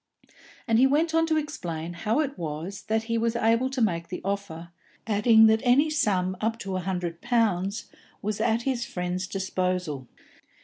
And he went on to explain how it was that he was able to make the offer, adding that any sum up to a hundred pounds was at his friend's disposal.